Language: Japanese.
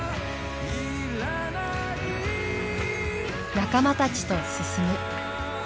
仲間たちと進む。